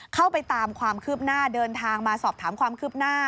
เข้าไปตามความคืบหน้าเดินทางมาสอบถามความคืบหน้า